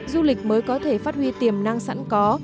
du lịch mới có thể phát huy tiềm năng sẵn có